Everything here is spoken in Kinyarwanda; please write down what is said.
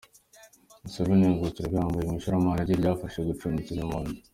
Museveni yungukira bihambaye mu ishoramari rye yifashishije gucumbikira impunzi.